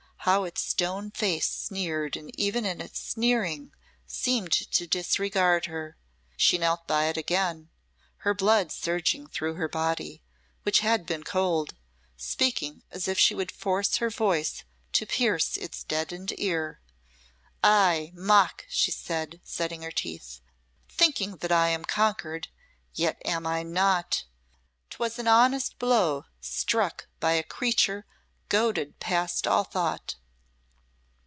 How its stone face sneered, and even in its sneering seemed to disregard her. She knelt by it again, her blood surging through her body, which had been cold, speaking as if she would force her voice to pierce its deadened ear. "Ay, mock!" she said, setting her teeth, "thinking that I am conquered yet am I not! 'Twas an honest blow struck by a creature goaded past all thought!